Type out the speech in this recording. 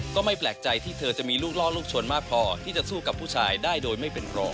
ก็ไม่แปลกใจที่เธอจะมีลูกล่อลูกชนมากพอที่จะสู้กับผู้ชายได้โดยไม่เป็นรอง